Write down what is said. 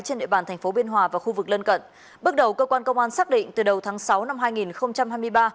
trên địa bàn thành phố biên hòa và khu vực lân cận bước đầu cơ quan công an xác định từ đầu tháng sáu năm hai nghìn hai mươi ba